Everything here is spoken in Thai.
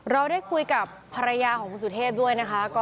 เราได้คุยกับภรรยาของคุณสุเทพด้วยนะคะ